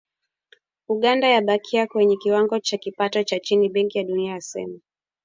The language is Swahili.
Uganda yabakia kwenye kiwango cha kipato cha chini, Benki ya Dunia yasema.